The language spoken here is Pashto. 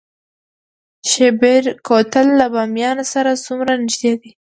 شیبر کوتل له بامیان سره څومره نږدې دی؟